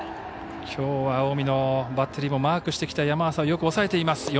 きょうは近江のバッテリーもマークしてきた山浅よく抑えています。